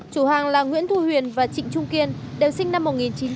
chủ hàng là nguyễn thu huyền và trịnh trung kiên đều sinh năm một nghìn chín trăm chín mươi